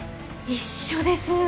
一緒です！